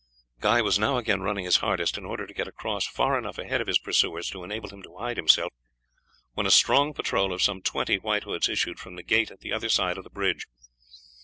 Guy was now again running his hardest, in order to get across far enough ahead of his pursuers to enable him to hide himself, when a strong patrol of some twenty White Hoods issued from the gate at the other side of the bridge.